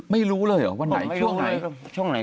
ไม่รู้เลยหรอวันไหนช่วงไหน